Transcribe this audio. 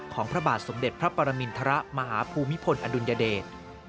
พระบาทสมเด็จพระปรมินทรมาฮภูมิพลอดุลยเดช